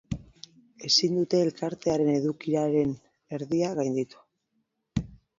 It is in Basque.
Ezin dute elkartearen edukieraren erdia gainditu.